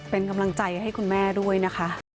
เป็นกำลังใจให้คุณแม่ด้วยนะคะ